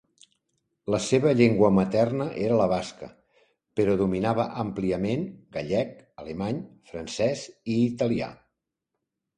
La seva llengua materna era la basca però dominava àmpliament gallec, alemany, francès i italià.